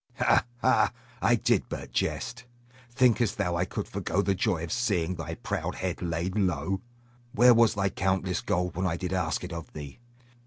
Ha, ha! I did but jest. Thinkest thou I could forego the joy of seeing thy proud head laid low? Where was thy countless gold when I did ask it of thee?